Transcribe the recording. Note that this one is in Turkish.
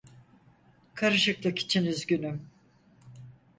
Karışıklık için üzgünüm.